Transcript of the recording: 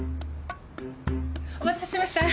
お待たせしました。